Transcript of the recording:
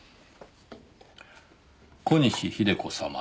「小西秀子様」。